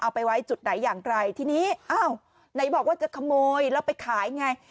ไปไว้จุดไหนอย่างไรทีนี้อ้าวไหนบอกว่าจะขโมยแล้วไปขายไง